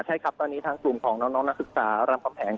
ใช่ครับตอนนี้ทางกลุ่มของน้องนักศึกษารามคำแหง